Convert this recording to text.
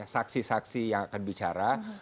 saksi saksi yang akan bicara